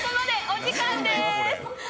お時間です。